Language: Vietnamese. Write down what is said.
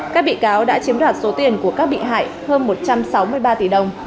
các bị cáo đã chiếm đoạt số tiền của các bị hại hơn một trăm sáu mươi ba tỷ đồng